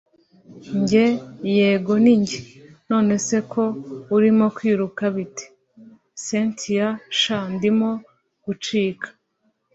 njye yego ninjye! nonese ko urimo kwiruka bite!? cyntia sha ndimo gucika